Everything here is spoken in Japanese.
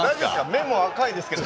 目も赤いですけど。